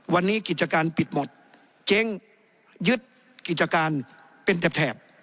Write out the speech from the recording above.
วันนี้กิจการปิดหมดเจ๊งยึดกิจการเป็นแถบ